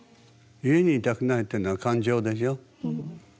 家に居たくないっていうのは感情でしょ。